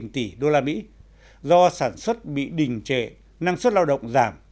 một tỷ usd do sản xuất bị đình trệ năng suất lao động giảm